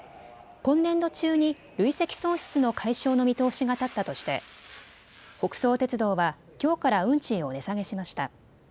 今年度中に累積損失の解消の見通しが立ったとして北総鉄道はきょうから運賃を値下げしました。